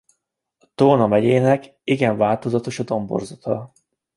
Tolna megyének igen változatos a domborzata.